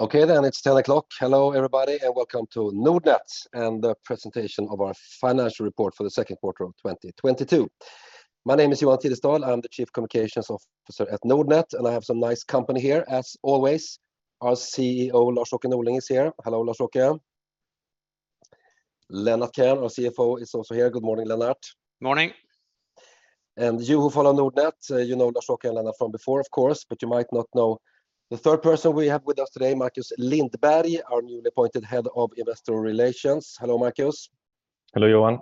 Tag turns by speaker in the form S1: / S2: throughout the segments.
S1: Okay, it's 10:00 A.M. Hello everybody, and welcome to Nordnet and the presentation of our financial report for the second quarter of 2022. My name is Johan Tidestad. I'm the Chief Communications Officer at Nordnet, and I have some nice company here as always. Our CEO, Lars-Åke Norling, is here. Hello, Lars-Åke. Lennart Krän, our CFO, is also here. Good morning, Lennart.
S2: Morning.
S1: You who follow Nordnet, you know Lars-Åke and Lennart from before of course, but you might not know the third person we have with us today, Marcus Lindberg, our newly appointed Head of Investor Relations. Hello, Marcus.
S3: Hello, Johan.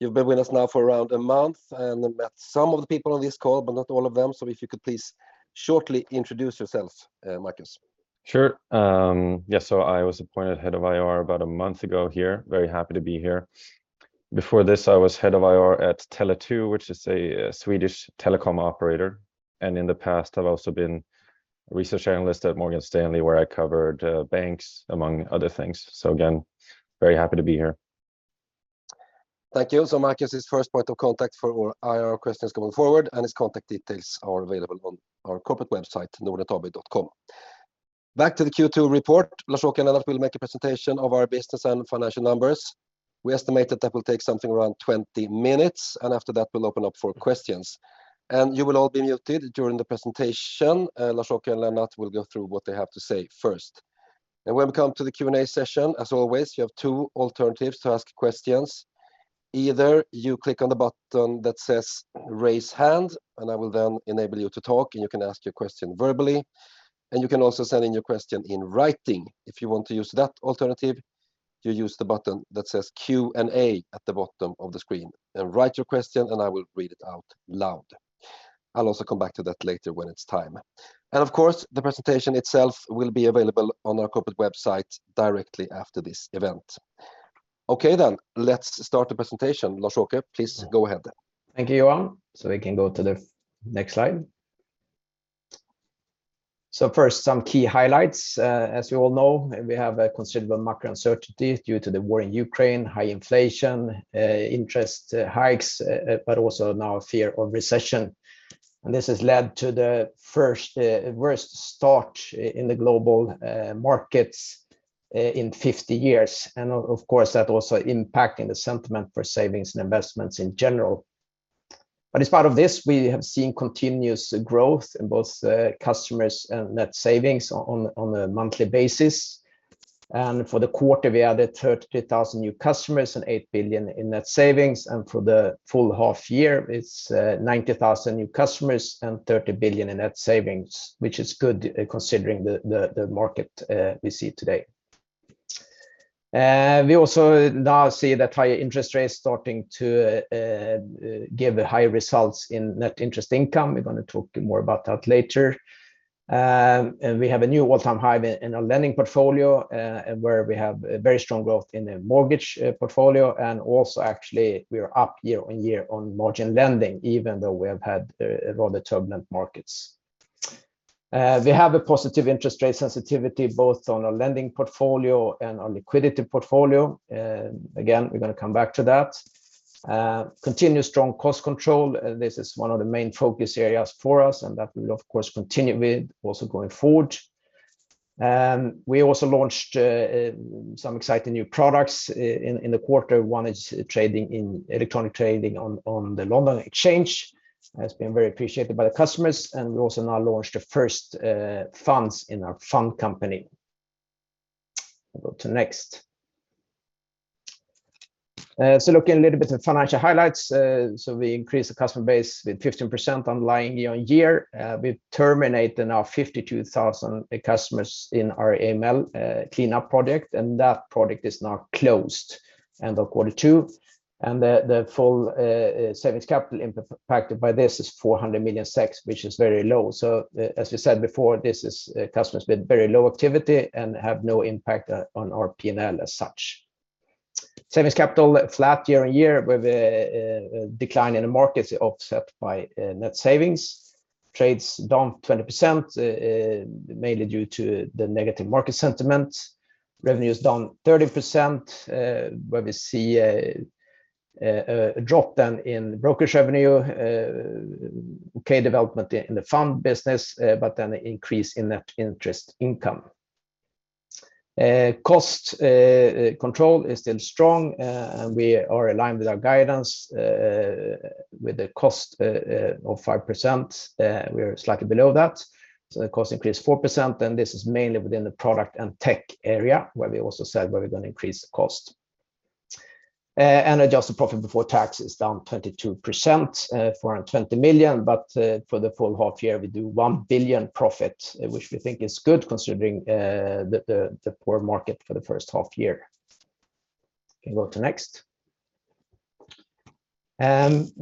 S1: You've been with us now for around a month and met some of the people on this call, but not all of them, so if you could please shortly introduce yourself, Marcus.
S3: Sure. I was appointed head of IR about a month ago here, very happy to be here. Before this, I was head of IR at Tele2, which is a Swedish telecom operator, and in the past have also been a research analyst at Morgan Stanley, where I covered banks among other things. Again, very happy to be here.
S1: Thank you. Marcus is first port of call for IR questions going forward, and his contact details are available on our corporate website, nordnetab.com. Back to the Q2 report. Lars-Åke and others will make a presentation of our business and financial numbers. We estimate that will take something around 20 minutes, and after that we'll open up for questions. You will all be muted during the presentation. Lars-Åke and Lennart will go through what they have to say first. When we come to the Q&A session, as always, you have two alternatives to ask questions. Either you click on the button that says Raise Hand, and I will then enable you to talk, and you can ask your question verbally, and you can also send in your question in writing. If you want to use that alternative, you use the button that says Q&A at the bottom of the screen and write your question, and I will read it out loud. I'll also come back to that later when it's time. Of course, the presentation itself will be available on our corporate website directly after this event. Okay, let's start the presentation. Lars-Åke, please go ahead.
S2: Thank you, Johan. We can go to the next slide. First, some key highlights. As you all know, we have a considerable macro uncertainty due to the war in Ukraine, high inflation, interest hikes, but also now fear of recession. This has led to the first worst start in the global markets in 50 years, and of course, that also impacting the sentiment for savings and investments in general. As part of this, we have seen continuous growth in both customers and net savings on a monthly basis. For the quarter, we added 32,000 new customers and 8 billion in net savings. For the full half year, it's 90,000 new customers and 30 billion in net savings, which is good considering the market we see today. We also now see that higher interest rates starting to give high results in net interest income. We're gonna talk more about that later. We have a new all-time high in our lending portfolio, and where we have a very strong growth in the mortgage portfolio and also actually we are up year on year on margin lending, even though we have had rather turbulent markets. We have a positive interest rate sensitivity both on our lending portfolio and our liquidity portfolio, and again, we're gonna come back to that. Continuous strong cost control, this is one of the main focus areas for us, and that we will of course continue with also going forward. We also launched some exciting new products in the quarter. One is electronic trading on the London Stock Exchange. That's been very appreciated by the customers, and we also now launched the first funds in our fund company. Go to next. Looking a little bit at financial highlights. We increased the customer base with 15% online year-over-year. We terminated now 52,000 customers in our AML cleanup project, and that project is now closed end of quarter two. The full savings capital impacted by this is 400 million, which is very low. As we said before, this is customers with very low activity and have no impact on our PNL as such. Savings capital flat year-over-year with a decline in the markets offset by net savings. Trades down 20%, mainly due to the negative market sentiment. Revenue is down 30%, where we see a drop then in brokerage revenue, OK development in the fund business, but then an increase in net interest income. Cost control is still strong, and we are aligned with our guidance, with the cost of 5%. We are slightly below that. The cost increased 4%, and this is mainly within the product and tech area where we also said we're gonna increase the cost. Adjusted profit before tax is down 22%, 420 million, but for the full half year, we do 1 billion profit, which we think is good considering the poor market for the first half year. Can go to next. As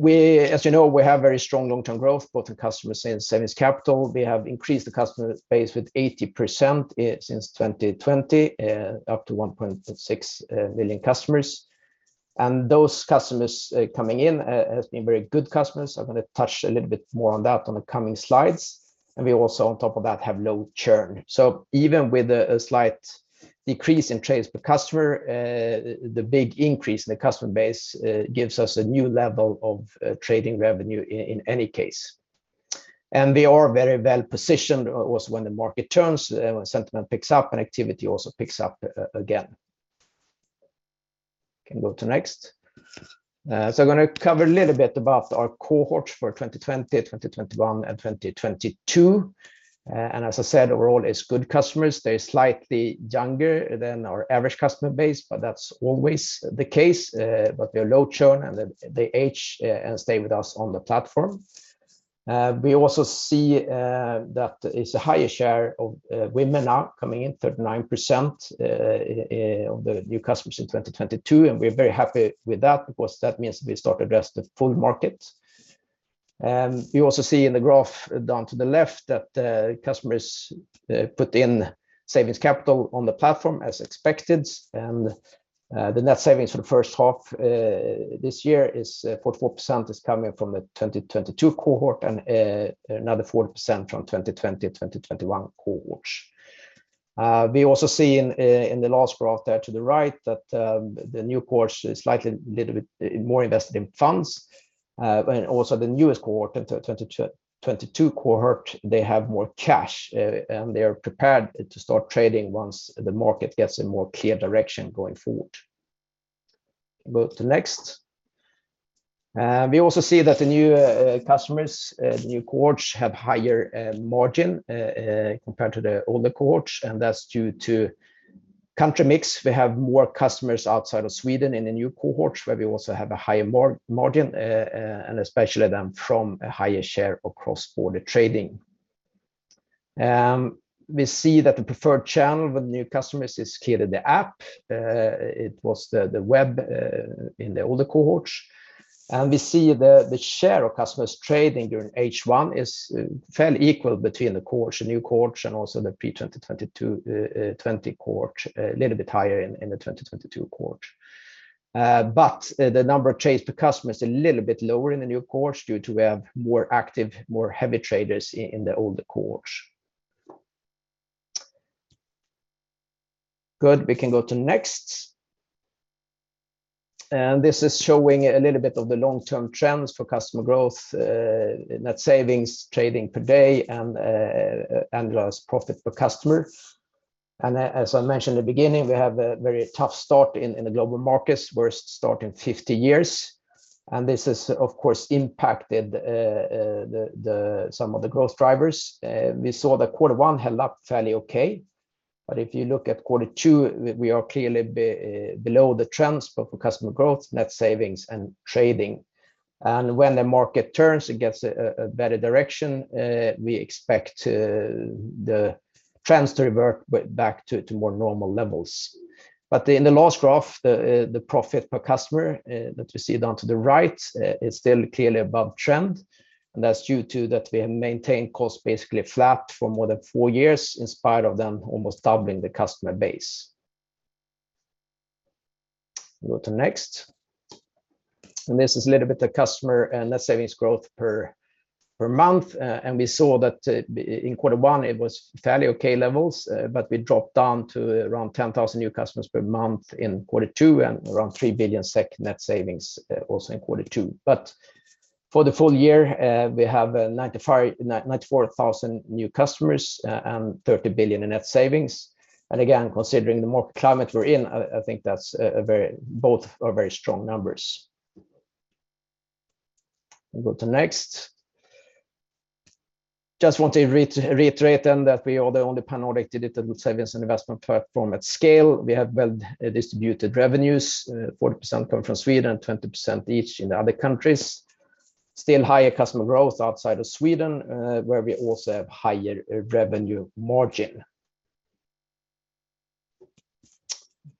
S2: you know, we have very strong long-term growth, both in customers and in savings capital. We have increased the customer base with 80% since 2020, up to 1.6 million customers. Those customers coming in has been very good customers. I'm gonna touch a little bit more on that on the coming slides. We also on top of that have low churn. Even with a slight decrease in trades per customer, the big increase in the customer base gives us a new level of trading revenue in any case. We are very well-positioned also when the market turns, when sentiment picks up and activity also picks up again. Can go to next. I'm gonna cover a little bit about our cohort for 2020, 2021, and 2022. As I said, overall it's good customers. They're slightly younger than our average customer base, but that's always the case. They're low churn, and they age and stay with us on the platform. We also see that it's a higher share of women now coming in, 39% of the new customers in 2022, and we're very happy with that because that means we start to address the full market. We also see in the graph down to the left that customers put in savings capital on the platform as expected, and the net savings for the first half this year is 44% coming from the 2022 cohort and another 40% from 2020 to 2021 cohorts. We also see in the last graph there to the right that the new cohorts is slightly little bit more invested in funds. Also the newest cohort, the 2022 cohort, they have more cash and they are prepared to start trading once the market gets a more clear direction going forward. Go to next. We also see that the new customers the new cohorts have higher margin compared to the older cohorts, and that's due to country mix. We have more customers outside of Sweden in the new cohorts, where we also have a higher margin and especially from a higher share of cross-border trading. We see that the preferred channel with new customers is clearly the app. It was the web in the older cohorts. We see the share of customers trading during H1 is fairly equal between the cohorts, the new cohorts, and also the pre-2022 2020 cohort, a little bit higher in the 2022 cohort. But the number of trades per customer is a little bit lower in the new cohorts due to we have more active, more heavy traders in the older cohorts. Good. We can go to next. This is showing a little bit of the long-term trends for customer growth, net savings, trading per day, and annualized profit per customer. As I mentioned at the beginning, we have a very tough start in the global markets, worst start in 50 years, and this has of course impacted some of the growth drivers. We saw that quarter one held up fairly okay, but if you look at quarter two, we are clearly below the trends for customer growth, net savings, and trading. When the market turns, it gets a better direction, we expect the trends to revert back to more normal levels. In the last graph, the profit per customer that you see down to the right is still clearly above trend, and that's due to that we have maintained costs basically flat for more than four years in spite of them almost doubling the customer base. Go to next. This is a little bit the customer net savings growth per month, and we saw that in quarter one it was fairly okay levels, but we dropped down to around 10,000 new customers per month in quarter two and around 3 billion SEK net savings, also in quarter two. For the full year, we have 94,000 new customers and 30 billion in net savings. Again, considering the market climate we're in, I think that's a very, both are very strong numbers. We go to next. Just want to reiterate then that we are the only pan-Nordic digital savings and investment platform at scale. We have well distributed revenues, 40% come from Sweden and 20% each in the other countries. Still higher customer growth outside of Sweden, where we also have higher revenue margin.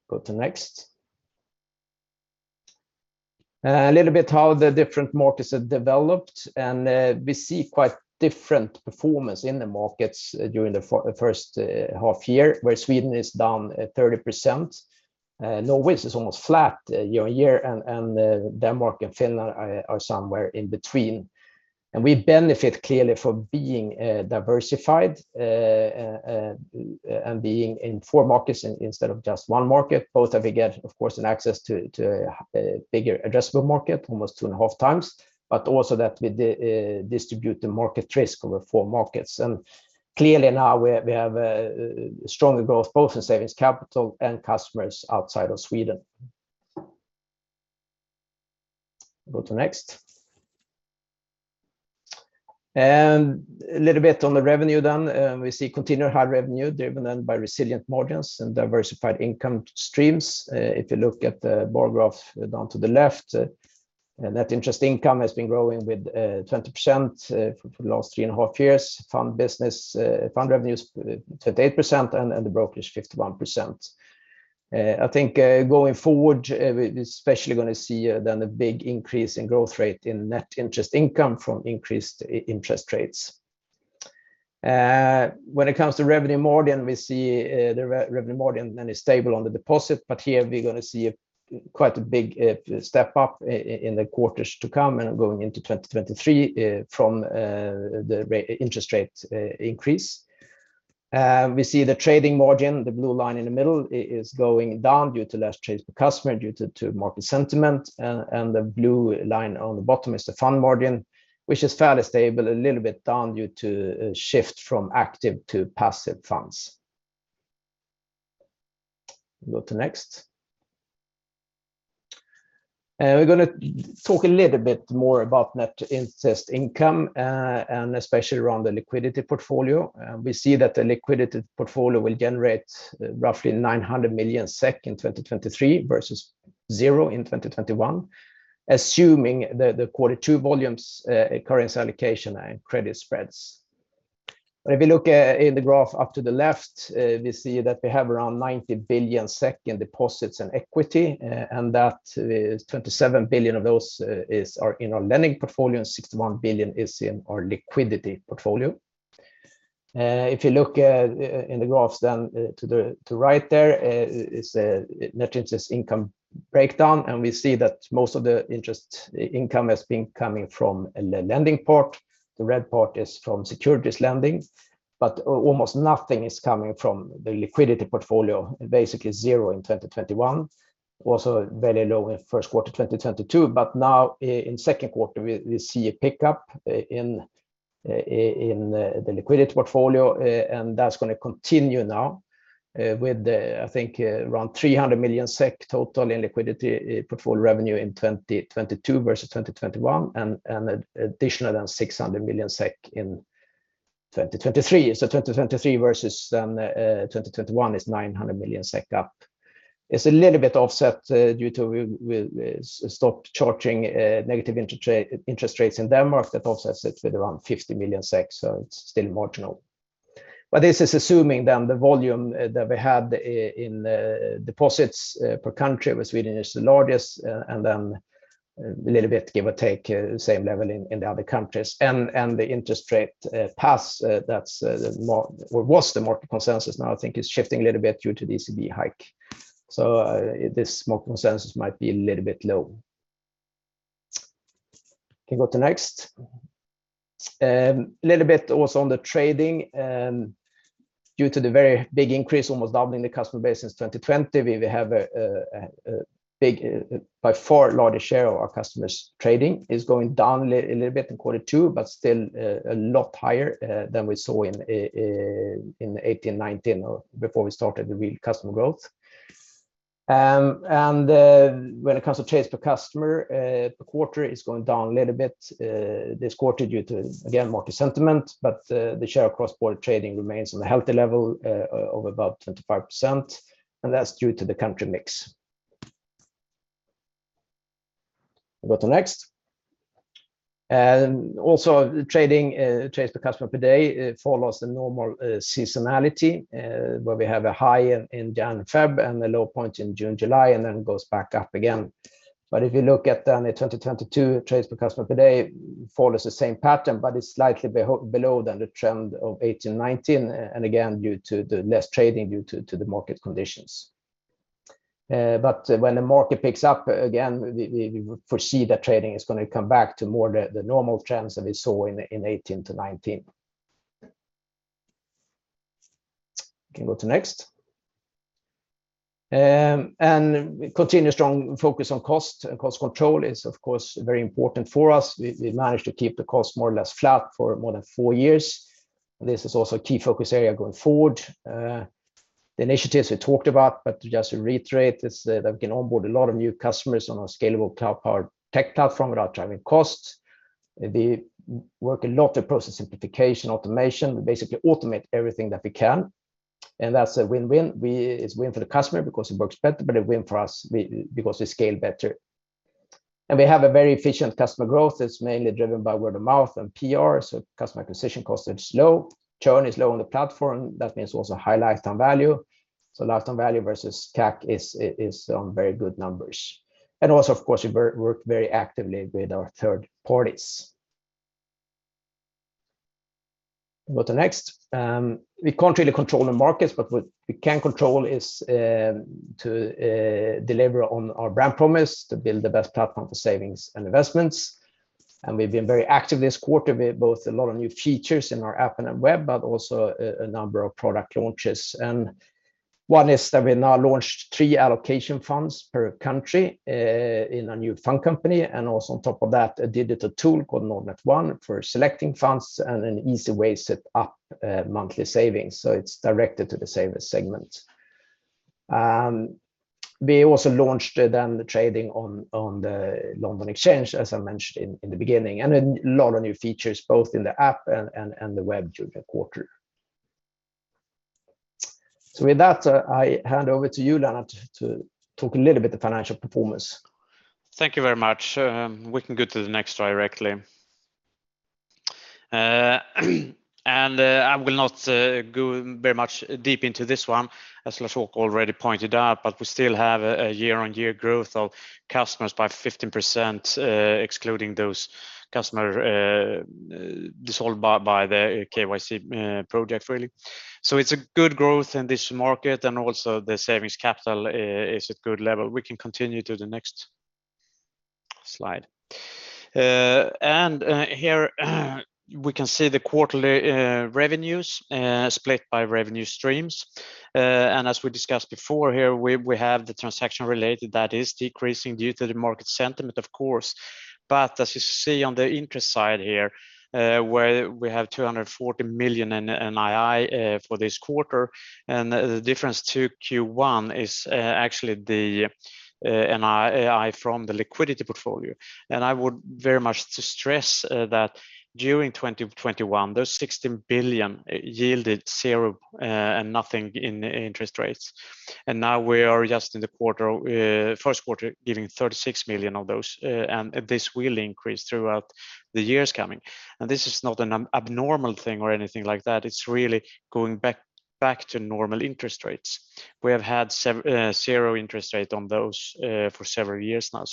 S2: Go to next. A little bit how the different markets have developed, and we see quite different performance in the markets during the first half year, where Sweden is down 30%. Norway's is almost flat year-over-year and Denmark and Finland are somewhere in between. We benefit clearly from being diversified and being in four markets instead of just one market. Both that we get, of course, an access to a bigger addressable market, almost two and a half times, but also that we distribute the market risk over four markets. Clearly now we have stronger growth both in savings capital and customers outside of Sweden. Go to next. A little bit on the revenue then. We see continued high revenue driven then by resilient margins and diversified income streams. If you look at the bar graph down to the left, net interest income has been growing with 20% for the last three and a half years. Fund business, fund revenues 28% and the brokerage 51%. I think going forward, we're especially gonna see then a big increase in growth rate in net interest income from increased interest rates. When it comes to revenue margin, we see the revenue margin then is stable on the deposit, but here we're gonna see quite a big step up in the quarters to come and going into 2023 from the interest rate increase. We see the trading margin, the blue line in the middle is going down due to less trades per customer due to market sentiment. The blue line on the bottom is the fund margin, which is fairly stable, a little bit down due to a shift from active to passive funds. Go to next. We're gonna talk a little bit more about net interest income, and especially around the liquidity portfolio. We see that the liquidity portfolio will generate roughly 900 million SEK in 2023 versus zero in 2021, assuming the quarter two volumes, currency allocation and credit spreads. If you look at the graph up to the left, we see that we have around 90 billion SEK in deposits and equity, and that 27 billion of those are in our lending portfolio and 61 billion is in our liquidity portfolio. If you look at in the graphs then to the right there is a net interest income breakdown, and we see that most of the interest income has been coming from the lending part. The red part is from securities lending, but almost nothing is coming from the liquidity portfolio, basically zero in 2021. Also very low in first quarter 2022, but now in second quarter we see a pickup in the liquidity portfolio, and that's gonna continue now with, I think, around 300 million SEK total in liquidity portfolio revenue in 2022 versus 2021 and additional than 600 million SEK in 2023. 2023 versus then 2021 is 900 million SEK up. It's a little bit offset due to we stopped charging negative interest rates in Denmark that offsets it with around 50 million, so it's still marginal. This is assuming then the volume that we had in deposits per country, where Sweden is the largest, and then a little bit, give or take, same level in the other countries. The interest rate path that's the market consensus now I think is shifting a little bit due to the ECB hike. This market consensus might be a little bit low. Can go to next. Little bit also on the trading, due to the very big increase, almost doubling the customer base since 2020, we have a big, by far largest share of our customers trading is going down a little bit in quarter two, but still, a lot higher than we saw in 2018, 2019 or before we started the real customer growth. When it comes to trades per customer per quarter is going down a little bit this quarter due to, again, market sentiment, but the share of cross-border trading remains on a healthy level of about 25%, and that's due to the country mix. Go to next. Also trading, trades per customer per day, follows the normal seasonality, where we have a high in January and February and a low point in June, July, and then goes back up again. If you look at then the 2022 trades per customer per day follows the same pattern, but it's slightly below than the trend of 2018, 2019, and again, due to the less trading due to the market conditions. When the market picks up again, we foresee that trading is gonna come back to more the normal trends that we saw in 2018 to 2019. Can go to next. We continue strong focus on cost. Cost control is, of course, very important for us. We managed to keep the cost more or less flat for more than four years. This is also a key focus area going forward. The initiatives we talked about, just to reiterate, it's that we can onboard a lot of new customers on our scalable cloud-powered tech platform without driving costs. We work a lot on process simplification, automation, we basically automate everything that we can. That's a win-win. It's a win for the customer because it works better, but a win for us because we scale better. We have a very efficient customer growth that's mainly driven by word of mouth and PR, so customer acquisition costs are low. Churn is low on the platform. That means also high lifetime value. Lifetime value versus CAC is very good numbers. Also, of course, we work very actively with our third parties. Go to next. We can't really control the markets, but what we can control is to deliver on our brand promise to build the best platform for savings and investments. We've been very active this quarter with both a lot of new features in our app and on web, but also a number of product launches. One is that we now launched three allocation funds per country in a new fund company. Also on top of that, a digital tool called Nordnet One for selecting funds and an easy way to set up monthly savings. It's directed to the saver segment. We also launched the trading on the London Stock Exchange, as I mentioned in the beginning, and a lot of new features both in the app and the web during the quarter. With that, I hand over to you, Lennart, to talk a little bit the financial performance.
S4: Thank you very much. We can go to the next directly. I will not go very much deep into this one, as Lasse Åke already pointed out, but we still have a year-on-year growth of customers by 15%, excluding those customers dissolved by the KYC project, really. It's a good growth in this market and also the savings capital is at good level. We can continue to the next slide. Here we can see the quarterly revenues split by revenue streams. As we discussed before here, we have the transaction-related that is decreasing due to the market sentiment of course. As you see on the interest side here, where we have 240 million in NII for this quarter. The difference to Q1 is actually the NII from the liquidity portfolio. I would very much stress that during 2021 those 16 billion yielded zero, nothing in interest rates. Now we are just in the first quarter giving 36 million of those. This will increase throughout the years coming. This is not an abnormal thing or anything like that, it's really going back to normal interest rates. We have had zero interest rate on those for several years now.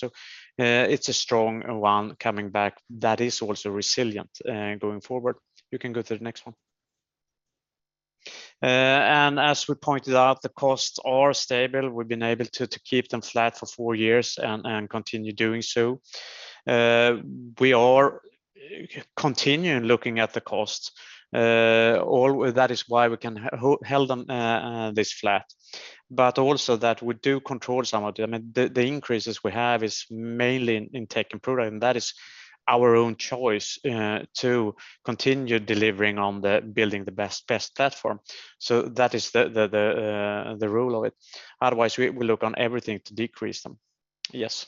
S4: It's a strong one coming back that is also resilient going forward. You can go to the next one. As we pointed out, the costs are stable. We've been able to keep them flat for four years and continue doing so. We are continuing looking at the costs. All that is why we can held on this flat. Also that we do control some of them. The increases we have is mainly in tech and product, and that is our own choice to continue delivering on the building the best platform. That is the role of it. Otherwise we look on everything to decrease them. Yes.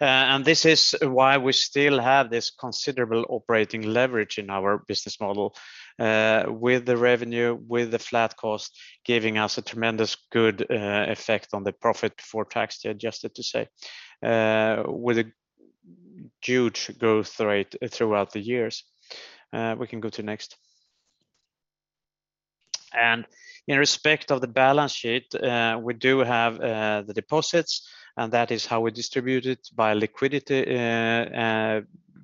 S4: Okay. This is why we still have this considerable operating leverage in our business model, with the revenue, with the flat cost giving us a tremendously good effect on the profit before tax to adjust it to say, with a huge growth rate throughout the years. We can go to next. In respect of the balance sheet, we do have the deposits, and that is how we distribute it by liquidity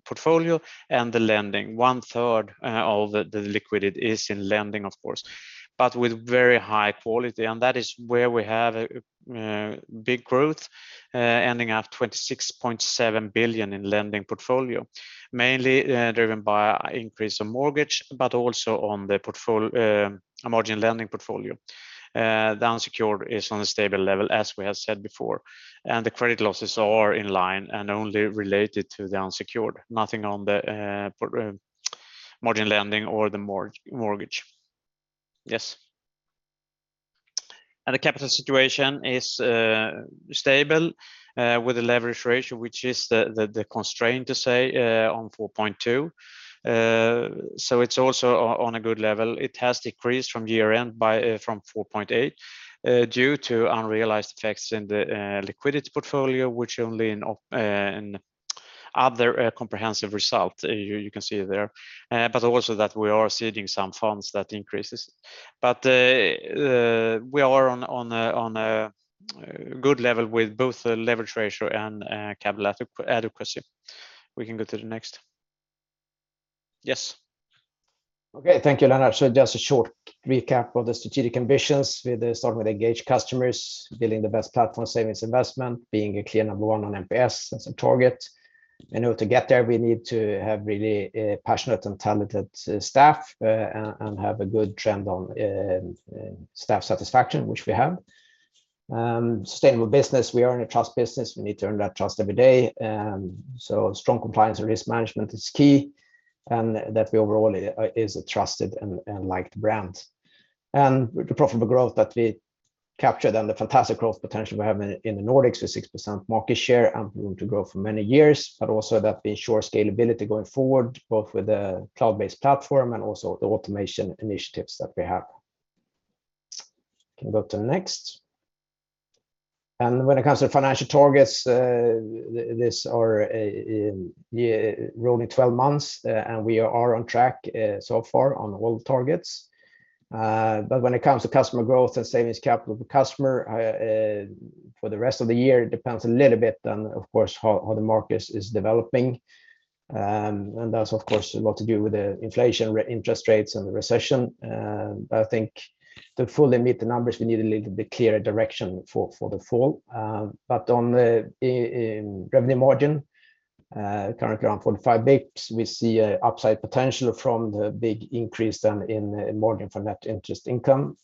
S4: portfolio and the lending. One third of the liquidity is in lending, of course, but with very high quality. That is where we have big growth, ending at 26.7 billion in lending portfolio, mainly driven by increase in mortgage, but also on the margin lending portfolio. The unsecured is on a stable level, as we have said before. The credit losses are in line and only related to the unsecured. Nothing on the margin lending or the mortgage. Yes. The capital situation is stable, with the leverage ratio, which is the constraint to say on 4.2%. It's also on a good level. It has decreased from year-end by 4.8% due to unrealized effects in the liquidity portfolio, which only in Other Comprehensive Income you can see there. Also that we are ceding some funds that increases. We are on a good level with both the leverage ratio and capital adequacy. We can go to the next. Yes.
S2: Okay. Thank you, Lennart. Just a short recap of the strategic ambitions with starting with engaged customers, building the best platform savings investment, being a clear number one on NPS as a target. In order to get there, we need to have really passionate and talented staff and have a good trend on staff satisfaction, which we have. Sustainable business. We are in a trust business. We need to earn that trust every day. Strong compliance and risk management is key, and that we overall is a trusted and liked brand. The profitable growth that we captured and the fantastic growth potential we have in the Nordics with 6% market share and room to grow for many years, but also that we ensure scalability going forward, both with the cloud-based platform and also the automation initiatives that we have. Can go to the next. When it comes to financial targets, these are rolling 12 months, and we are on track so far on all targets. When it comes to customer growth and savings capital per customer, for the rest of the year, it depends a little bit on, of course, how the market is developing. That's of course a lot to do with the inflation, interest rates and the recession. I think to fully meet the numbers, we need a little bit clearer direction for the fall. On the revenue margin, currently around 45 bps, we see an upside potential from the big increase in margin from net interest income.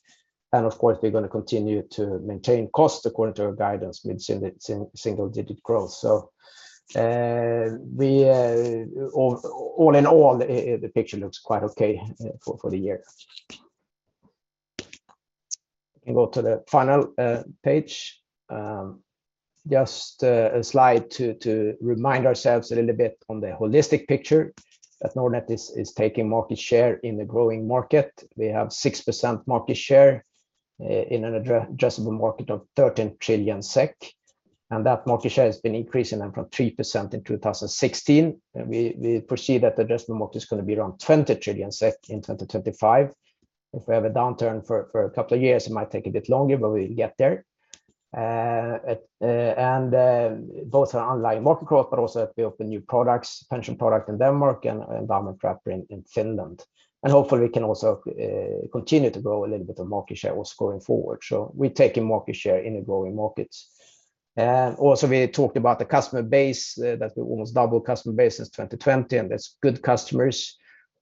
S2: Of course, we're gonna continue to maintain costs according to our guidance with single-digit growth. All in all, the picture looks quite okay for the year. Can go to the final page. Just a slide to remind ourselves a little bit on the holistic picture that Nordnet is taking market share in the growing market. We have 6% market share in an addressable market of 13 trillion SEK, and that market share has been increasing then from 3% in 2016. We foresee that the addressable market is gonna be around 20 trillion SEK in 2025. If we have a downturn for a couple of years, it might take a bit longer, but we'll get there. Both our online market growth, but also a bit of the new products, pension product in Denmark and Finnish wrapper in Finland. Hopefully, we can also continue to grow a little bit of market share also going forward. We're taking market share in the growing markets. Also we talked about the customer base, that we almost doubled the customer base since 2020, and that's good customers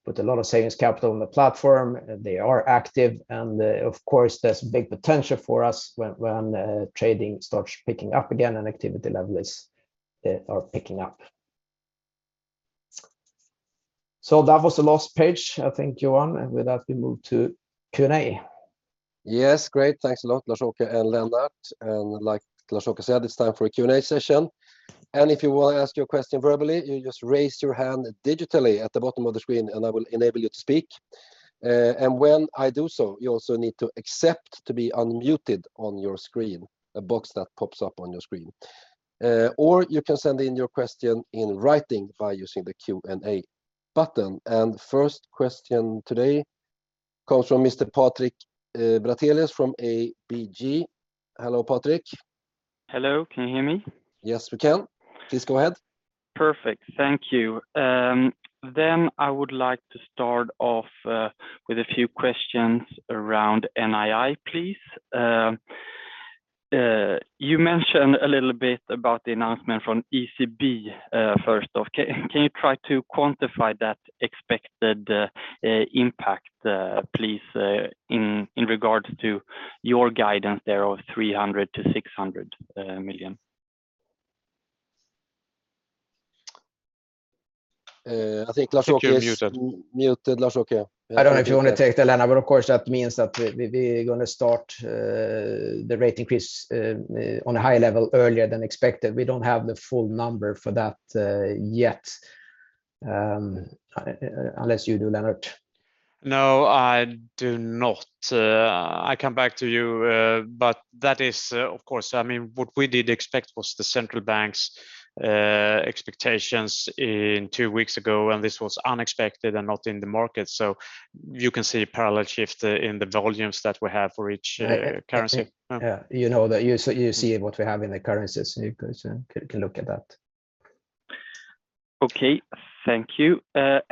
S2: with a lot of savings capital on the platform. They are active, and of course, there's big potential for us when trading starts picking up again and activity levels are picking up. That was the last page, I think, Johan. With that we move to Q&A.
S1: Yes. Great. Thanks a lot, Lars-Åke and Lennart. Like Lars-Åke said, it's time for a Q&A session. If you wanna ask your question verbally, you just raise your hand digitally at the bottom of the screen, and I will enable you to speak. When I do so, you also need to accept to be unmuted on your screen, a box that pops up on your screen. You can send in your question in writing by using the Q&A button. First question today comes from Mr. Patrik Brattelius from ABG. Hello, Patrik.
S5: Hello. Can you hear me?
S1: Yes, we can. Please go ahead.
S5: Perfect. Thank you. I would like to start off with a few questions around NII, please. You mentioned a little bit about the announcement from ECB, first off. Can you try to quantify that expected impact, please, in regards to your guidance there of 300 million-600 million?
S1: I think Lars-Åke is.
S2: You're muted.
S1: Muted, Lars-Åke.
S2: I don't know if you wanna take that, Lennart, but of course, that means that we're gonna start the rate increase on a higher level earlier than expected. We don't have the full number for that yet, unless you do, Lennart.
S4: No, I do not. I come back to you. That is, of course, I mean, what we did expect was the central bank's expectations in two weeks ago, and this was unexpected and not in the market. You can see parallel shift in the volumes that we have for each currency.
S2: Yeah. You know that you see what we have in the currencies. You can look at that.
S5: Okay. Thank you. A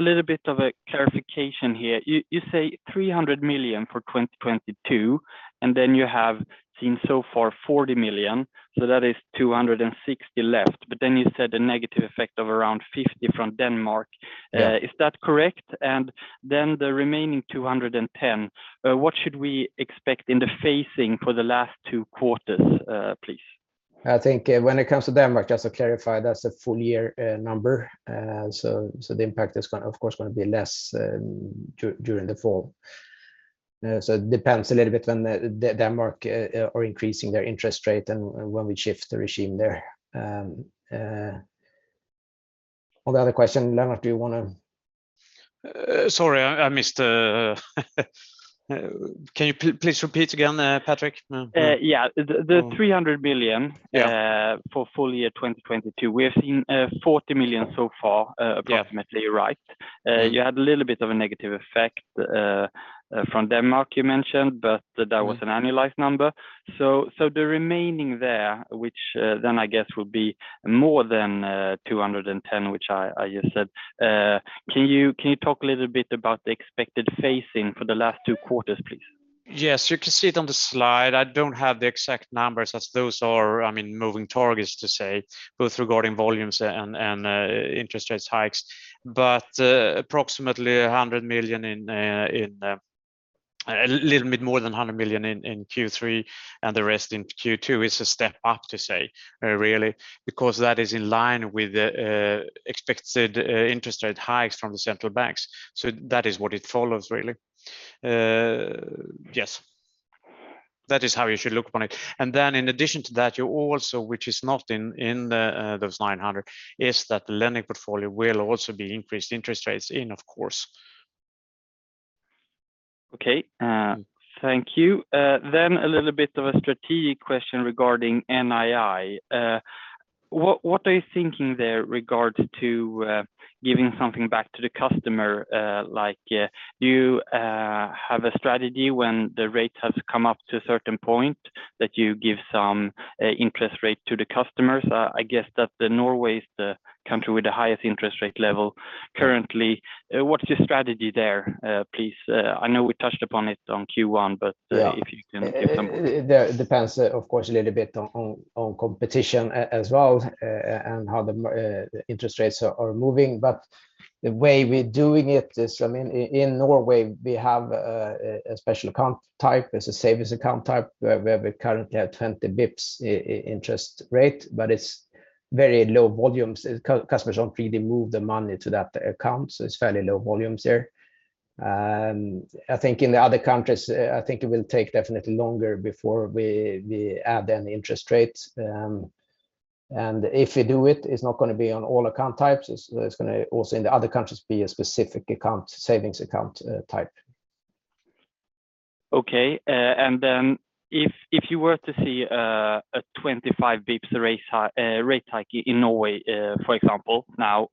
S5: little bit of a clarification here. You say 300 million for 2022, and then you have seen so far 40 million, so that is 260 left. You said a negative effect of around 50 from Denmark.
S2: Yeah.
S5: Is that correct? The remaining 210, what should we expect in the phasing for the last two quarters, please?
S2: I think when it comes to Denmark, just to clarify, that's a full year number. So the impact is gonna, of course, be less during the fall. So it depends a little bit when the Denmark are increasing their interest rate and when we shift the regime there. On the other question, Lennart, do you wanna.
S4: Sorry, I missed. Can you please repeat again, Patrik? No.
S5: The 300 billion-
S2: Yeah
S5: For full year 2022, we have seen 40 million so far.
S2: Yeah
S5: Approximately. Right.
S2: Yeah.
S5: You had a little bit of a negative effect from Denmark, you mentioned, but that was an annualized number. The remaining there, which then I guess would be more than 210, which I just said, can you talk a little bit about the expected phasing for the last two quarters, please?
S4: Yes. You can see it on the slide. I don't have the exact numbers as those are, I mean, moving targets to say, both regarding volumes and interest rate hikes. Approximately a little bit more than 100 million in Q3, and the rest in Q2 is a step up to say, really, because that is in line with the expected interest rate hikes from the central banks. That is how you should look upon it. Then in addition to that, you also, which is not in those 900, is that the lending portfolio will also see increased interest rates, of course.
S5: Okay. Thank you. A little bit of a strategic question regarding NII. What are you thinking there regarding giving something back to the customer? Like, do you have a strategy when the rate has come up to a certain point that you give some interest rate to the customers? I guess that Norway is the country with the highest interest rate level currently. What's your strategy there, please? I know we touched upon it in Q1, but
S2: Yeah
S5: If you can give some.
S2: It depends, of course, a little bit on competition as well, and how the interest rates are moving. The way we're doing it is, I mean, in Norway, we have a special account type. It's a savings account type where we currently have 20 BPS interest rate, but it's very low volumes. Customers don't really move the money to that account, so it's fairly low volumes there. I think in the other countries it will take definitely longer before we add any interest rates. If we do it's not gonna be on all account types. It's gonna also in the other countries be a specific account, savings account type.
S5: Okay. If you were to see a 25 basis points rate hike in Norway, for example, now,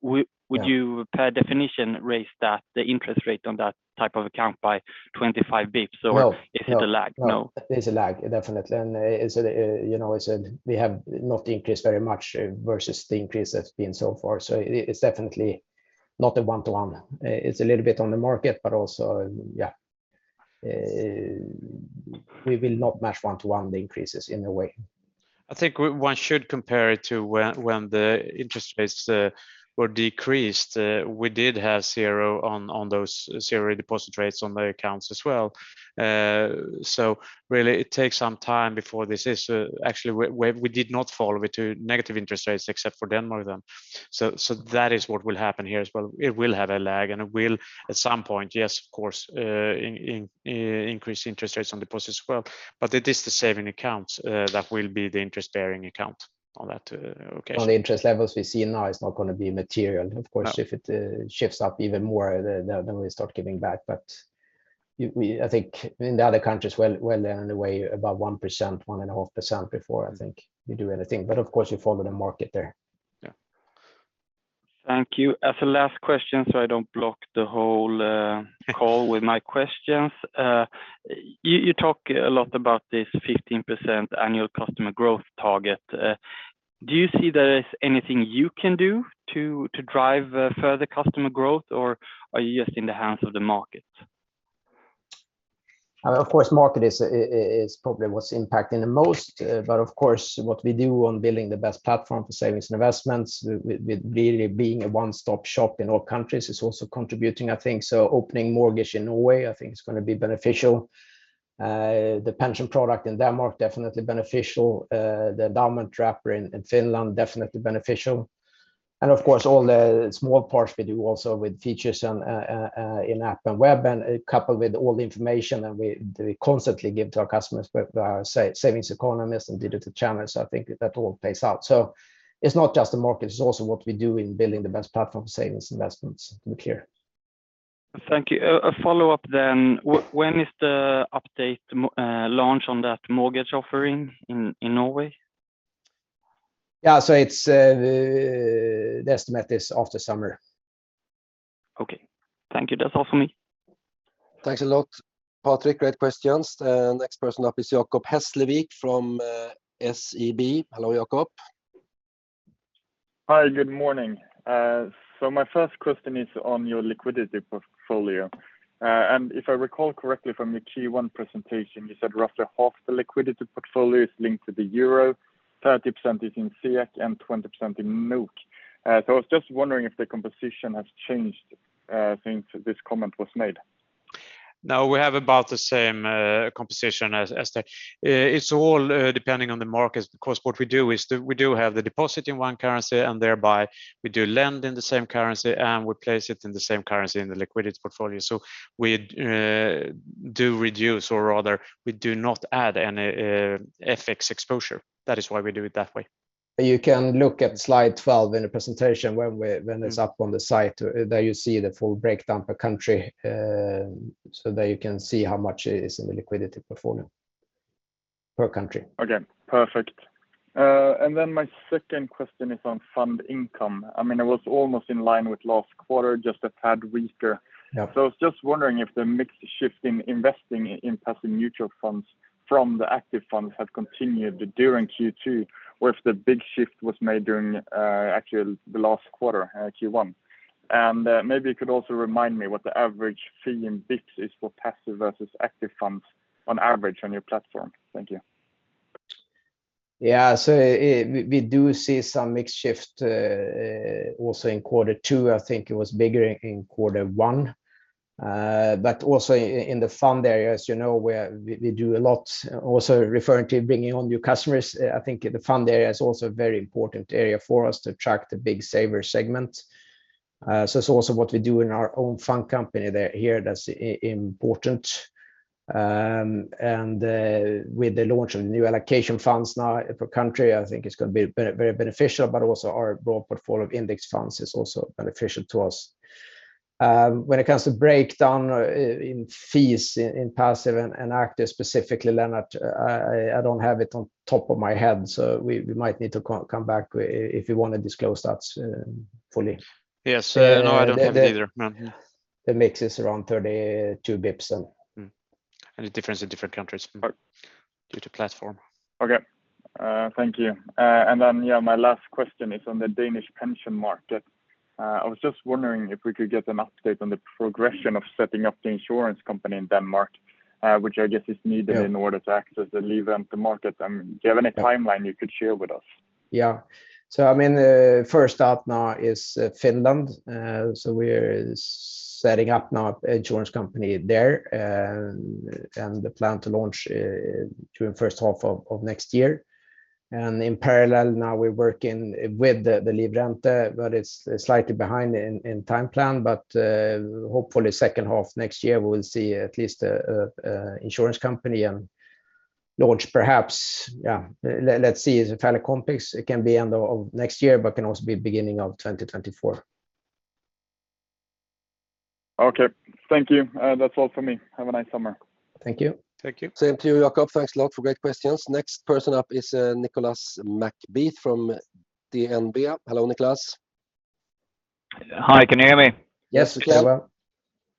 S5: would you by definition raise the interest rate on that type of account by 25 basis points or-
S2: No. No
S5: Is it a lag? No.
S2: There's a lag, definitely. It's a, you know. We have not increased very much versus the increase that's been so far. It, it's definitely not a one-to-one. We will not match one to one the increases in in Norway.
S4: I think one should compare it to when the interest rates were decreased, we did have zero on those zero deposit rates on the accounts as well. Really it takes some time before this is actually we did not follow it to negative interest rates except for Denmark then. That is what will happen here as well. It will have a lag, and it will at some point, yes, of course, increase interest rates on deposits as well. It is the savings accounts that will be the interest bearing account on that occasion.
S2: On the interest levels we see now it's not gonna be material.
S4: No.
S2: Of course, if it shifts up even more, then we start giving back. I think in the other countries where they're on the way about 1%, 1.5% before I think we do anything. Of course we follow the market there.
S4: Yeah.
S5: Thank you. As a last question, so I don't block the whole call with my questions. You talk a lot about this 15% annual customer growth target. Do you see there is anything you can do to drive further customer growth or are you just in the hands of the market?
S2: Of course, market is probably what's impacting the most. Of course what we do on building the best platform for savings and investments with really being a one-stop shop in all countries is also contributing, I think. Opening mortgage in a way I think is gonna be beneficial. The pension product in Denmark, definitely beneficial. The endowment wrapper in Finland, definitely beneficial. Of course all the small parts we do also with features on in app and web and coupled with all the information that we constantly give to our customers with savings economists and digital channels. I think that all pays out. It's not just the market, it's also what we do in building the best platform for savings investments to be clear.
S5: Thank you. A follow-up. When is the updated launch on that mortgage offering in Norway?
S2: Yeah. It's the estimate is after summer.
S5: Okay. Thank you. That's all for me.
S4: Thanks a lot, Patrik. Great questions. Next person up is Jacob Hesslevik from SEB. Hello, Jacob.
S6: Hi. Good morning. My first question is on your liquidity portfolio, and if I recall correctly from your Q1 presentation, you said roughly half the liquidity portfolio is linked to the Euro, 30% is in SEK and 20% in NOK. I was just wondering if the composition has changed since this comment was made.
S4: No, we have about the same composition as that. It's all depending on the market because what we do is we have the deposit in one currency and thereby we lend in the same currency and we place it in the same currency in the liquidity portfolio. We do reduce or rather we do not add any FX exposure. That is why we do it that way.
S2: You can look at slide 12 in the presentation.
S4: Mm-hmm
S2: When it's up on the site. There you see the full breakdown per country, so there you can see how much is in the liquidity portfolio per country.
S6: Okay. Perfect. My second question is on fund income. I mean, it was almost in line with last quarter, just a tad weaker.
S2: Yeah.
S6: I was just wondering if the mix shift in investing in passive mutual funds from the active funds had continued during Q2, or if the big shift was made during actually the last quarter, Q1. Maybe you could also remind me what the average fee in bps is for passive versus active funds on average on your platform. Thank you.
S2: Yeah. We do see some mix shift, also in quarter two. I think it was bigger in quarter one. Also in the fund area, as you know, we do a lot also referring to bringing on new customers. I think the fund area is also a very important area for us to attract the big saver segment. It's also what we do in our own fund company there, here that's important. With the launch of new allocation funds now per country, I think it's gonna be very beneficial. Also our broad portfolio of index funds is also beneficial to us. When it comes to breakdown in fees in passive and active specifically, Lennart, I don't have it on top of my head, so we might need to come back if you wanna disclose that fully.
S4: Yes. No, I don't have it either. No.
S2: The mix is around 32 basis points.
S4: Mm-hmm. It differs in different countries but due to platform.
S6: Okay. Thank you. Yeah, my last question is on the Danish pension market. I was just wondering if we could get an update on the progression of setting up the insurance company in Denmark, which I guess is needed.
S2: Yeah
S6: in order to access the Livrente market. Do you have any timeline you could share with us?
S2: I mean, first up now is Finland. We're setting up now insurance company there, and the plan to launch during first half of next year. In parallel now we're working with the Livrente, but it's slightly behind in timeline. Hopefully second half next year we will see at least insurance company and launch perhaps. Let's see. It's fairly complex. It can be end of next year, but can also be beginning of 2024.
S6: Okay. Thank you. That's all for me. Have a nice summer.
S2: Thank you.
S4: Thank you.
S1: Same to you, Jacob. Thanks a lot for great questions. Next person up is, Nicolas McBeath from DNB. Hello, Nicolas.
S7: Hi, can you hear me?
S2: Yes.
S4: Yeah.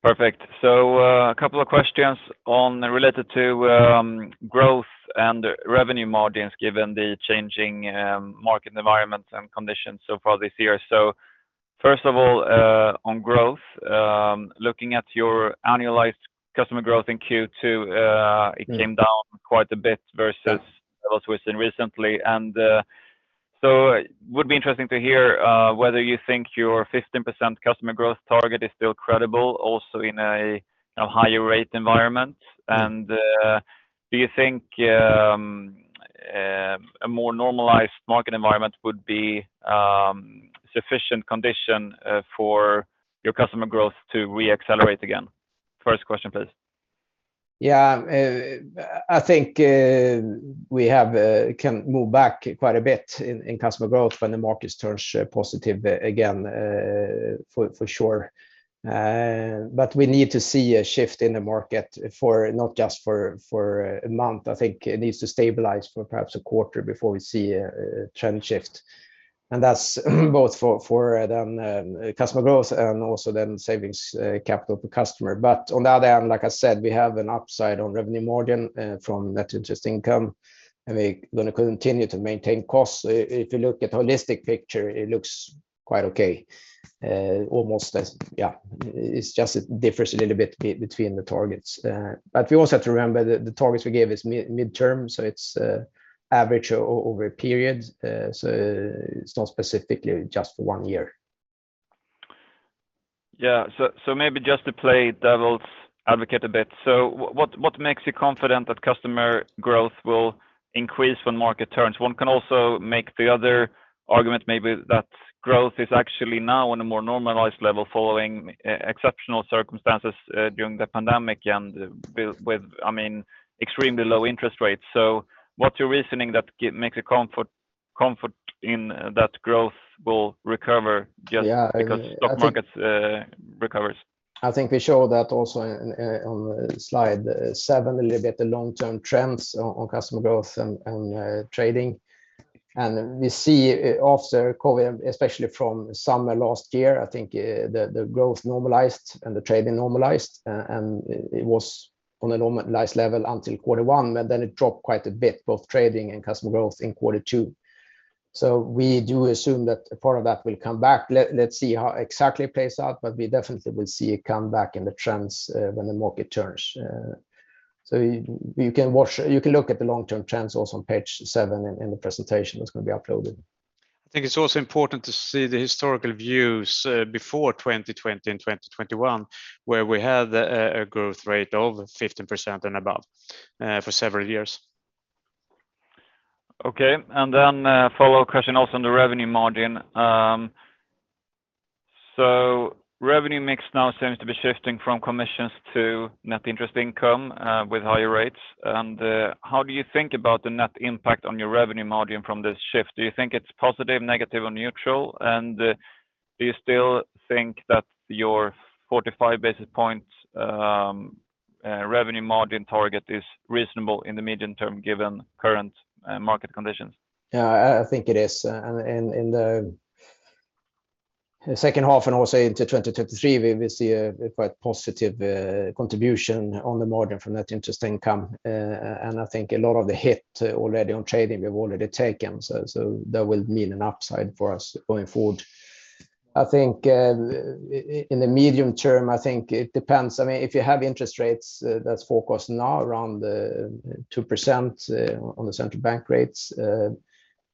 S7: Perfect. A couple of questions on, related to growth and revenue margins given the changing market environment and conditions so far this year. First of all, on growth, looking at your annualized customer growth in Q2, it came down quite a bit versus levels we've seen recently. It would be interesting to hear whether you think your 15% customer growth target is still credible also in a higher rate environment. Do you think a more normalized market environment would be sufficient condition for your customer growth to re-accelerate again? First question, please.
S2: Yeah. I think we can move back quite a bit in customer growth when the market turns positive again, for sure. We need to see a shift in the market for not just a month. I think it needs to stabilize for perhaps a quarter before we see a trend shift. That's both for customer growth and also savings capital per customer. On the other hand, like I said, we have an upside on revenue margin from net interest income, and we're gonna continue to maintain costs. If you look at holistic picture, it looks quite okay. It's just it differs a little bit between the targets. We also have to remember the targets we gave is mid-term, so it's average over a period. It's not specifically just for one year.
S7: Yeah. Maybe just to play devil's advocate a bit. What makes you confident that customer growth will increase when market turns? One can also make the other argument maybe that growth is actually now on a more normalized level following exceptional circumstances during the pandemic and with, I mean, extremely low interest rates. What's your reasoning that makes you comfort in that growth will recover just-
S2: Yeah. I think.
S7: because stock markets recovers?
S2: I think we show that also on slide seven a little bit, the long-term trends on customer growth and trading. We see after COVID, especially from summer last year, I think, the growth normalized and the trading normalized, and it was on a normalized level until quarter one, but then it dropped quite a bit, both trading and customer growth in quarter two. We do assume that part of that will come back. Let's see how exactly it plays out, but we definitely will see a comeback in the trends, when the market turns. You can watch. You can look at the long-term trends also on page seven in the presentation that's gonna be uploaded. I think it's also important to see the historical views before 2020 and 2021, where we had a growth rate of 15% and above for several years.
S7: Okay. Then a follow-up question also on the revenue margin. Revenue mix now seems to be shifting from commissions to net interest income with higher rates. How do you think about the net impact on your revenue margin from this shift? Do you think it's positive, negative or neutral? Do you still think that your 45 basis points revenue margin target is reasonable in the medium term given current market conditions?
S2: Yeah, I think it is. In the second half and also into 2023, we will see a quite positive contribution on the margin from net interest income. I think a lot of the hit already on trading we've already taken, so that will mean an upside for us going forward. I think in the medium term, I think it depends. I mean, if you have interest rates that's focused now around 2%, on the central bank rates,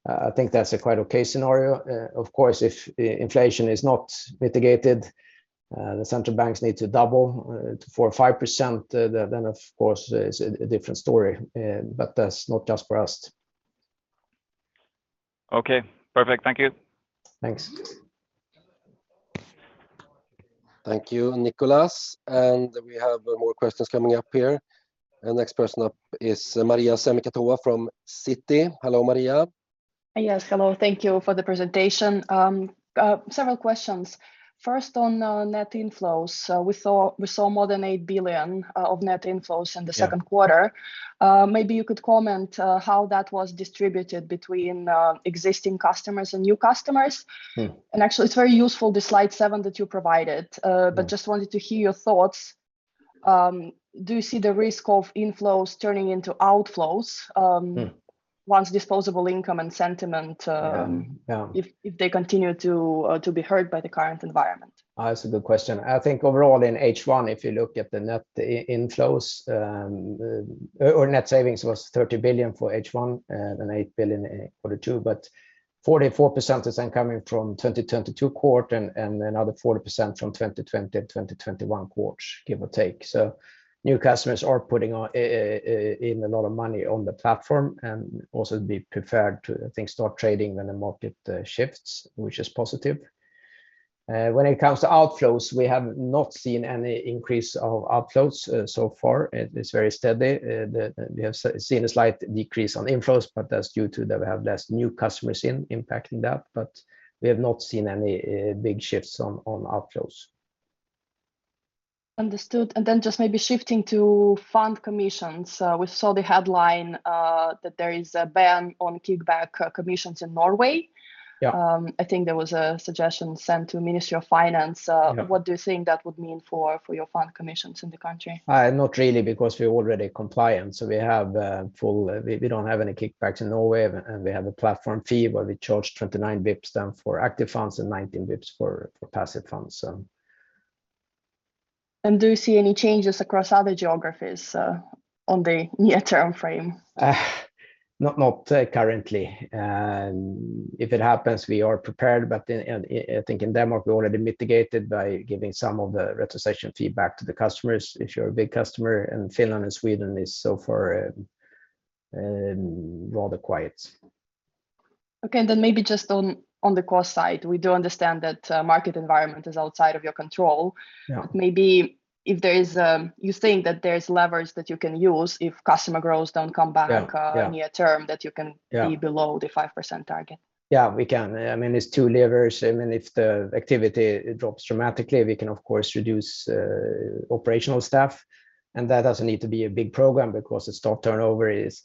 S2: I think that's a quite okay scenario. Of course, if inflation is not mitigated, the central banks need to double to 4% or 5%, then of course, it's a different story. That's not just for us.
S7: Okay, perfect. Thank you.
S2: Thanks.
S1: Thank you, Nicolas. We have more questions coming up here. The next person up is Maria Semikhatova from Citi. Hello, Maria.
S8: Yes, hello. Thank you for the presentation. Several questions. First, on net inflows. We saw more than 8 billion of net inflows in the second quarter.
S2: Yeah.
S8: Maybe you could comment how that was distributed between existing customers and new customers?
S2: Mm.
S8: Actually, it's very useful, the slide 7 that you provided. Just wanted to hear your thoughts. Do you see the risk of inflows turning into outflows?
S2: Mm.
S8: on disposable income and sentiment.
S2: Yeah. Yeah.
S8: If they continue to be hurt by the current environment?
S2: That's a good question. I think overall in H1, if you look at the net inflows, or net savings was 30 billion for H1 and then 8 billion in quarter two. 44% is then coming from 2022 quarter and another 40% from 2020 to 2021 quarters, give or take. New customers are putting a lot of money on the platform and also be prepared to, I think, start trading when the market shifts, which is positive. When it comes to outflows, we have not seen any increase of outflows so far. It is very steady. We have seen a slight decrease on inflows, but that's due to that we have less new customers in impacting that. We have not seen any big shifts on outflows.
S8: Understood. Just maybe shifting to fund commissions. We saw the headline, that there is a ban on kickback commissions in Norway.
S2: Yeah.
S8: I think there was a suggestion sent to Ministry of Finance.
S2: Yeah.
S8: What do you think that would mean for your fund commissions in the country?
S2: Not really because we're already compliant. We don't have any kickbacks in Norway, and we have a platform fee where we charge 29 bps then for active funds and 19 bps for passive funds.
S8: Do you see any changes across other geographies on the near-term frame?
S2: Not currently. If it happens, we are prepared. I think in Denmark we already mitigated by giving some of the retrocession feedback to the customers if you're a big customer, and Finland and Sweden is so far rather quiet.
S8: Okay. Maybe just on the cost side, we do understand that market environment is outside of your control.
S2: Yeah.
S8: Maybe if there is, you think that there's leverage that you can use if customer growth don't come back.
S2: Yeah, yeah.
S8: Near-term that you can.
S2: Yeah
S8: be below the 5% target.
S2: Yeah, we can. I mean, there's two levers, and if the activity drops dramatically, we can of course reduce operational staff, and that doesn't need to be a big program because the staff turnover is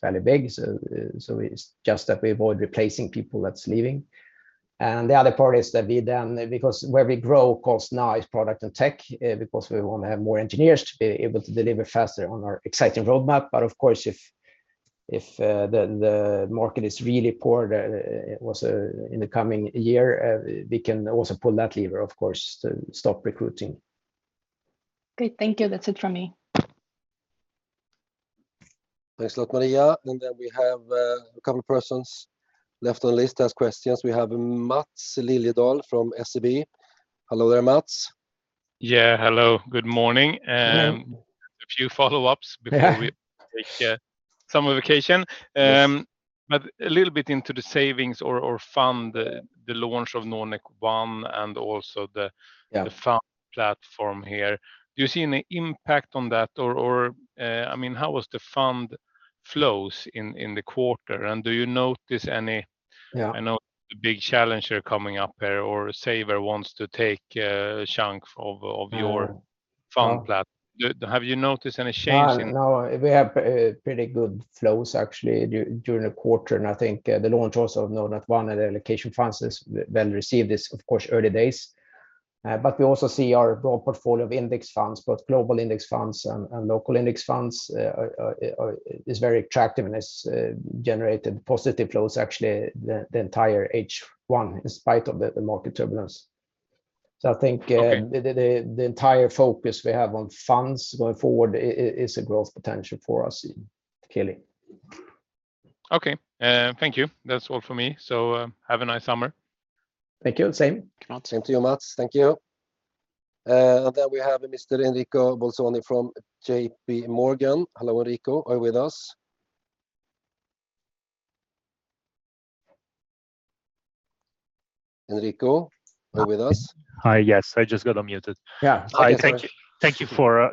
S2: fairly big. It's just that we avoid replacing people that's leaving. The other part is that we then because where we grow cost now is product and tech, because we wanna have more engineers to be able to deliver faster on our exciting roadmap. Of course if the market is really poor in the coming year, we can also pull that lever, of course, to stop recruiting.
S8: Great. Thank you. That's it from me.
S1: Thanks a lot, Maria. We have a couple persons left on the list to ask questions. We have Maths Liljedahl from SEB. Hello there, Mats.
S9: Yeah, hello. Good morning.
S1: Yeah.
S9: A few follow-ups before we.
S1: Yeah
S9: ...take summer vacation.
S1: Yes.
S9: A little bit into the savings or fund the launch of Nordnet One and also the
S2: Yeah
S9: the fund platform here. Do you see any impact on that? Or, I mean, how was the fund flows in the quarter? Do you notice any-
S2: Yeah
S9: you know, big challenger coming up here. Avanza wants to take a chunk of your fund plat-
S2: No.
S9: Have you noticed any change in?
S2: No. We have pretty good flows actually during the quarter. I think the launch also of Nordnet One and allocation funds is well received. It's of course early days, but we also see our broad portfolio of index funds, both global index funds and local index funds, is very attractive and has generated positive flows actually the entire H1 in spite of the market turbulence. I think.
S9: Okay
S2: The entire focus we have on funds going forward is a growth potential for us clearly.
S9: Okay. Thank you. That's all for me. Have a nice summer.
S2: Thank you. Same.
S1: Mats.
S2: Same to you, Mats. Thank you. We have Mr. Enrico Bolzoni from JP Morgan. Hello, Enrico. Are you with us? Enrico, are you with us?
S10: Hi. Yes, I just got unmuted.
S2: Yeah.
S10: Thank you for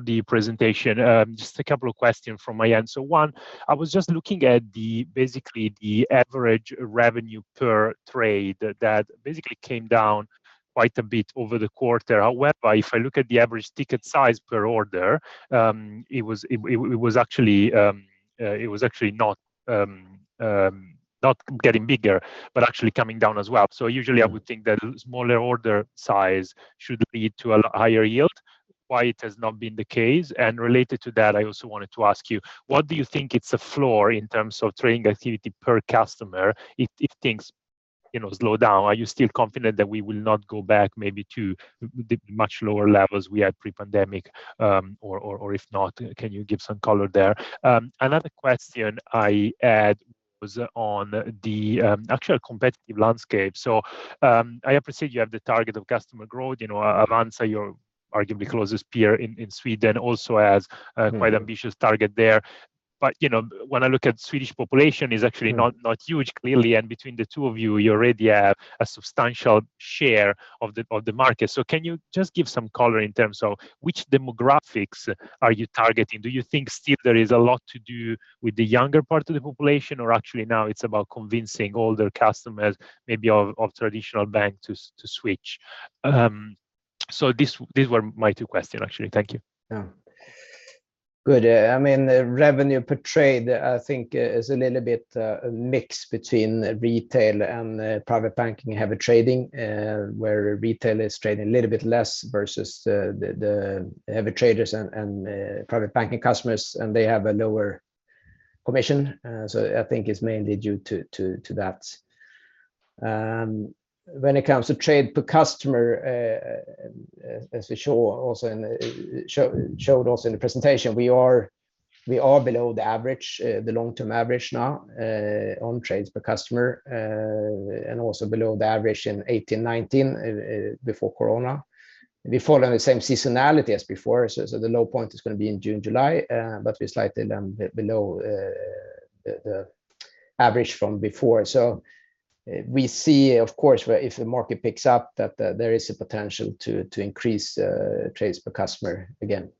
S10: the presentation. Just a couple of questions from my end. One, I was just looking at the, basically the average revenue per trade that basically came down quite a bit over the quarter. However, if I look at the average ticket size per order, it was actually not getting bigger, but actually coming down as well. Usually I would think that smaller order size should lead to a higher yield. Why it has not been the case? Related to that, I also wanted to ask you, what do you think it's a floor in terms of trading activity per customer if things, you know, slow down? Are you still confident that we will not go back maybe to the much lower levels we had pre-pandemic, or if not, can you give some color there? Another question I had was on the actual competitive landscape. I appreciate you have the target of customer growth. You know, Avanza, your arguably closest peer in Sweden also has a quite ambitious target there. You know, when I look at Swedish population is actually not huge clearly, and between the two of you already have a substantial share of the market. Can you just give some color in terms of which demographics are you targeting? Do you think still there is a lot to do with the younger part of the population or actually now it's about convincing older customers maybe of traditional bank to switch? These were my two questions actually. Thank you.
S2: Yeah. Good. I mean, revenue per trade I think is a little bit mixed between retail and private banking heavy trading, where retail is trading a little bit less versus the heavy traders and private banking customers, and they have a lower commission. I think it's mainly due to that. When it comes to trade per customer, as we showed also in the presentation, we are below the average, the long-term average now, on trades per customer, and also below the average in 2018, 2019, before Corona. We follow the same seasonality as before. The low point is gonna be in June, July, but we're slightly below the average from before. We see of course if the market picks up that there is a potential to increase trades per customer again.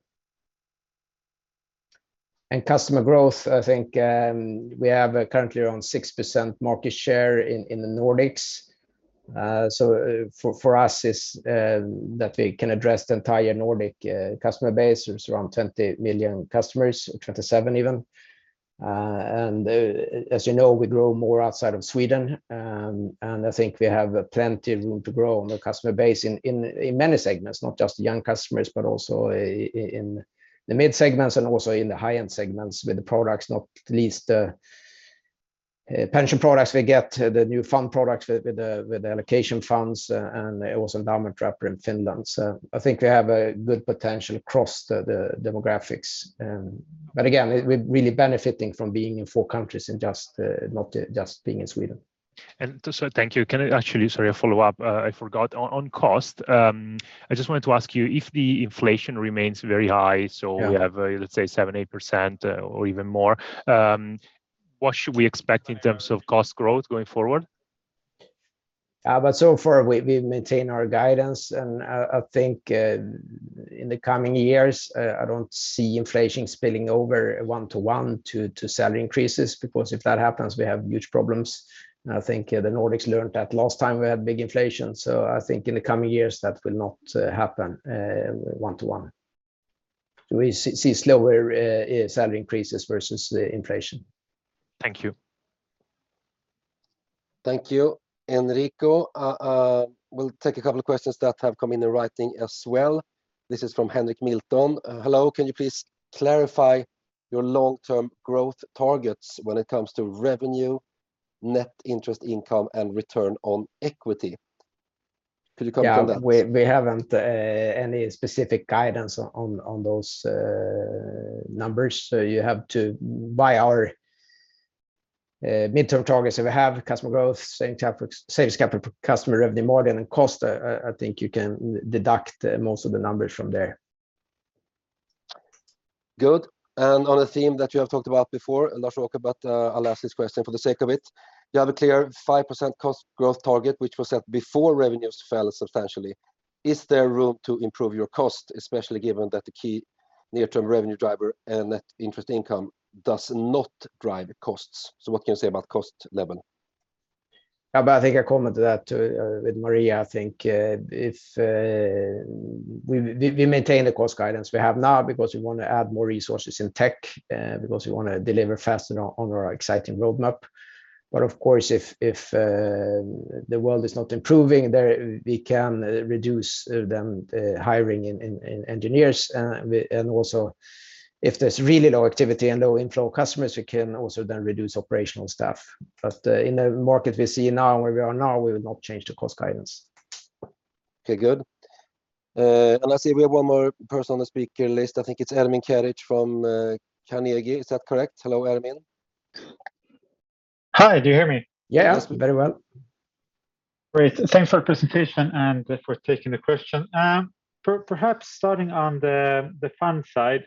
S2: Customer growth, I think, we have currently around 6% market share in the Nordics. For us it's that we can address the entire Nordic customer base, which is around 20 million customers, 27 even. As you know, we grow more outside of Sweden, and I think we have plenty of room to grow on the customer base in many segments, not just young customers, but also in the mid segments and also in the high-end segments with the products, not least the pension products we get the new fund products with the allocation funds and also endowment wrapper in Finland. I think we have a good potential across the demographics. Again, we're really benefiting from being in four countries and just not just being in Sweden.
S10: Thank you. Can I actually? Sorry, a follow-up. I forgot. On cost, I just wanted to ask you if the inflation remains very high-
S2: Yeah
S10: We have, let's say, 7%-8% or even more. What should we expect in terms of cost growth going forward?
S2: So far we've maintained our guidance and I think in the coming years I don't see inflation spilling over one-to-one to salary increases because if that happens, we have huge problems. I think the Nordics learned that last time we had big inflation. I think in the coming years that will not happen one-to-one. We see slower salary increases versus the inflation.
S10: Thank you.
S1: Thank you, Enrico. We'll take a couple of questions that have come in in writing as well. This is from Henrik Milton. "Hello. Can you please clarify your long-term growth targets when it comes to revenue, net interest income, and return on equity?" Could you comment on that?
S2: Yeah. We haven't any specific guidance on those numbers. By our midterm targets, if we have customer growth, same CapEx, sales capital per customer revenue margin and cost, I think you can deduct most of the numbers from there.
S1: Good. On a theme that you have talked about before, Lars-Åke Norling, but, I'll ask this question for the sake of it, "You have a clear 5% cost growth target which was set before revenues fell substantially. Is there room to improve your cost, especially given that the key near-term revenue driver and net interest income does not drive costs?" So what can you say about cost level?
S2: Yeah, I think I commented that with Maria. I think if we maintain the cost guidance we have now because we wanna add more resources in tech because we wanna deliver faster on our exciting roadmap. Of course if the world is not improving, then we can reduce hiring in engineers. Also if there's really low activity and low inflow of customers, we can also then reduce operational staff. In a market we see now and where we are now, we will not change the cost guidance.
S1: Okay. Good. I see we have one more person on the speaker list. I think it's Ermin Keric from Carnegie. Is that correct? Hello, Ermin.
S11: Hi. Do you hear me?
S1: Yeah. Very well.
S11: Great. Thanks for presentation and for taking the question. Perhaps starting on the fund side,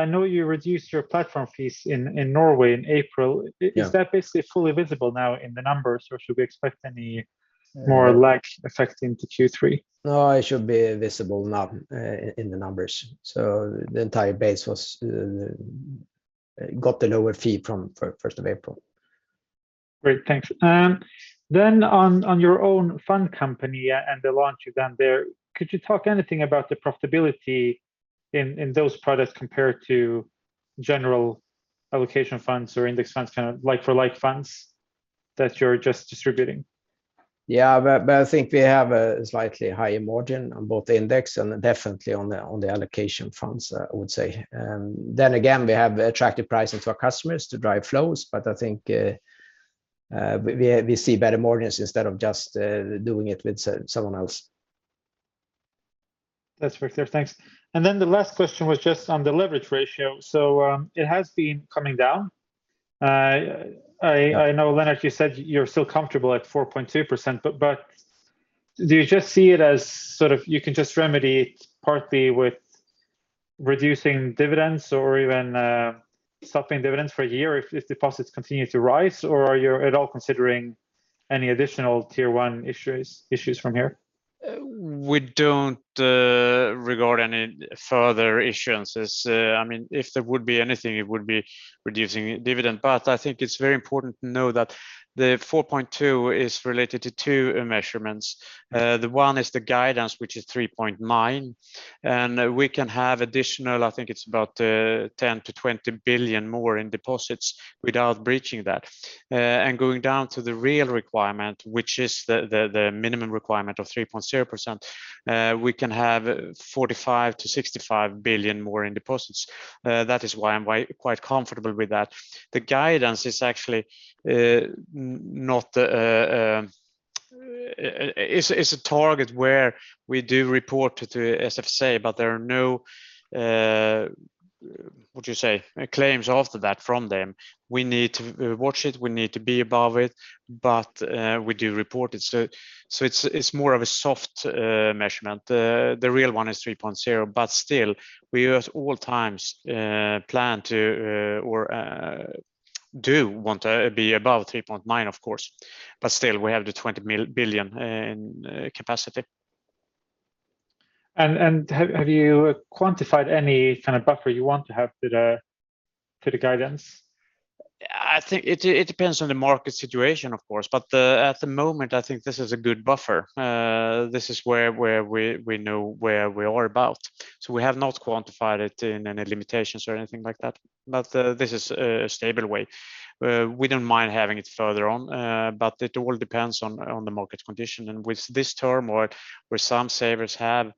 S11: I know you reduced your platform fees in Norway in April.
S2: Yeah.
S11: Is that basically fully visible now in the numbers, or should we expect any more lag effect into Q3?
S2: No, it should be visible now in the numbers. The entire base was got the lower fee from 1st of April.
S11: Great, thanks. On your own fund company and the launch you've done there, could you talk anything about the profitability in those products compared to general allocation funds or index funds, kind of like for like funds that you're just distributing?
S2: I think we have a slightly higher margin on both index and definitely on the allocation funds, I would say. We have attractive pricing for our customers to drive flows. I think we see better margins instead of just doing it with someone else.
S11: That’s very clear. Thanks. Then the last question was just on the leverage ratio. It has been coming down. I know Lennart, you said you’re still comfortable at 4.2%, but do you just see it as sort of you can just remedy it partly with reducing dividends or even stopping dividends for a year if deposits continue to rise, or are you at all considering any additional tier one issues from here?
S4: We don't regard any further issuances. I mean, if there would be anything, it would be reducing dividend. I think it's very important to know that the 4.2% is related to two measurements. The one is the guidance, which is 3.9%, and we can have additional, I think it's about, 10 billion-20 billion more in deposits without breaching that. Going down to the real requirement, which is the minimum requirement of 3.0%, we can have 45 billion-65 billion more in deposits. That is why I'm quite comfortable with that. The guidance is actually not. It's a target where we do report to SFSA, but there are no, what do you say? Claims after that from them. We need to watch it. We need to be above it. We do report it. It's more of a soft measurement. The real one is 3.0, but still we at all times do want to be above 3.9, of course. Still we have the 20 billion in capacity.
S11: Have you quantified any kind of buffer you want to have to the guidance?
S4: I think it depends on the market situation, of course, but at the moment, I think this is a good buffer. This is where we know where we are about. We have not quantified it in any limitations or anything like that. This is a stable way. We don't mind having it further on, but it all depends on the market condition. With this term or where some savers have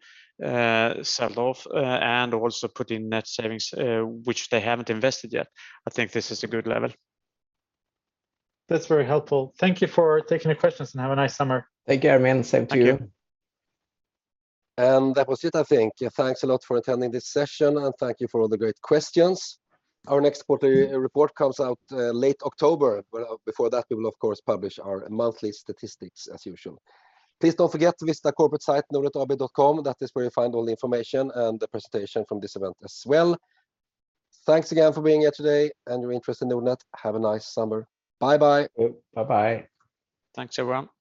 S4: sold off and also put in net savings, which they haven't invested yet, I think this is a good level.
S11: That's very helpful. Thank you for taking the questions and have a nice summer.
S4: Thank you, Ermin. Same to you.
S11: Thank you.
S1: That was it, I think. Thanks a lot for attending this session, and thank you for all the great questions. Our next quarterly report comes out late October, but before that, we will of course publish our monthly statistics as usual. Please don't forget to visit our corporate site, nordnetab.com. That is where you'll find all the information and the presentation from this event as well. Thanks again for being here today and your interest in Nordnet. Have a nice summer. Bye-bye.
S4: Bye-bye.
S11: Thanks, everyone.